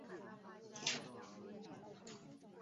训借借用汉字对应于韩语的意字进行训音阅读。